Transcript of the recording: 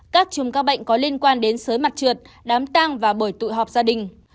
các chùm ca bệnh có liên quan đến sới mặt trượt đám tang và bổi tụi họp gia đình